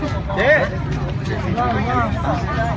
ขอช่วยคุณพี่อีกท่านหนึ่งครับ